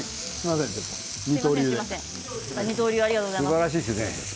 すばらしいですね。